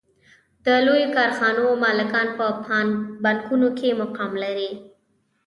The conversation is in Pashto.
د لویو کارخانو مالکان په بانکونو کې مقام لري